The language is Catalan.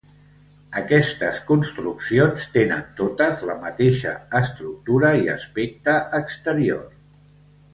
Aquestes construccions tenen totes la mateixa estructura i aspecte exterior.